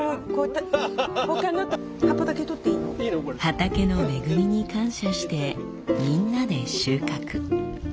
畑の恵みに感謝してみんなで収穫。